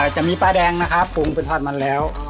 จะมีปลาแดงนะครับปรุงเป็นทอดมันแล้ว